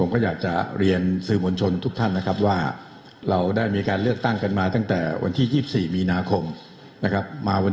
ขอบคุณมากครับ